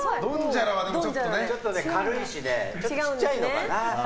ちょっと軽いしちょっとちっちゃいのかな。